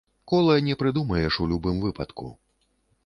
Кола не прыдумаеш у любым выпадку.